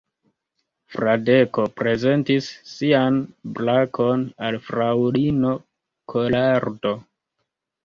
Fradeko prezentis sian brakon al fraŭlino Kolardo.